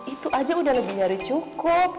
itu aja udah lebih nyari cukup